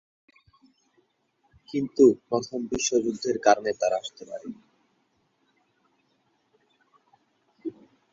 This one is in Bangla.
কিন্তু প্রথম বিশ্বযুদ্ধের কারণে তারা আসতে পারেননি।